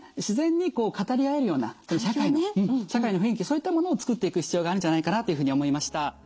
自然にこう語り合えるような社会の雰囲気そういったものをつくっていく必要があるんじゃないかなっていうふうに思いました。